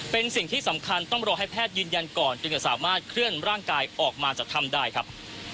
เป็นสิ่งที่สำคัญต้องรอให้แพทย์ยืนยันก่อนจึงจะสามารถเคลื่อนร่างกายออกมาจากถ้ำได้ครับ